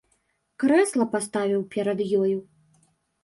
Крэсла паставіў перад ёю.